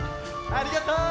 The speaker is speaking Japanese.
ありがとう！